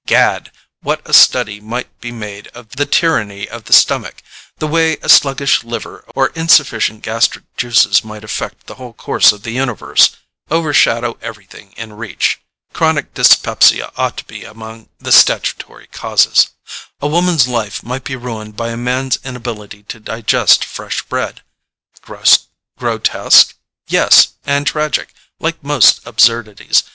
Gad! what a study might be made of the tyranny of the stomach—the way a sluggish liver or insufficient gastric juices might affect the whole course of the universe, overshadow everything in reach—chronic dyspepsia ought to be among the "statutory causes"; a woman's life might be ruined by a man's inability to digest fresh bread. Grotesque? Yes—and tragic—like most absurdities.